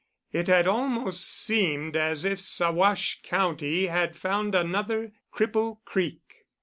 It had almost seemed as if Saguache County had found another Cripple Creek.